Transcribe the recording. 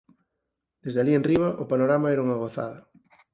Desde alí enriba o panorama era unha gozada.